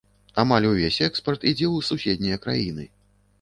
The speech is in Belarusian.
Амаль увесь экспарт ідзе ў суседнія краіны.